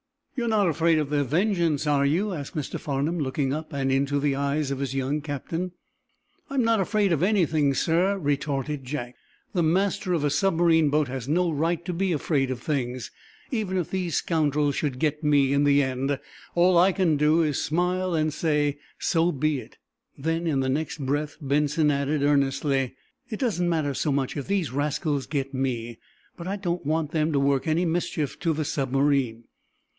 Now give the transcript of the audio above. "You're not afraid of their vengeance, are you?" asked Mr. Farnum, looking up, and into the eyes of his young captain. "I'm not afraid, of anything, sir," retorted Jack. "The master of a submarine boat has no right to be afraid of things. Even if these scoundrels should get me, in the end, all I can to is to smile, and say: 'So be it.'" Then, in the next breath, Benson added, earnestly: "It doesn't matter so much if these rascals get me, but I don't want them to work any mischief to the submarine."